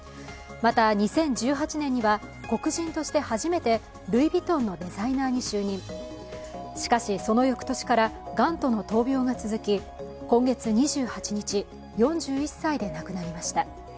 また２０１８年には黒人として初めてルイ・ヴィトンのデザイナーに就任しかしその翌年からがんとの闘病が続き今月２８日４１歳で亡くなりました。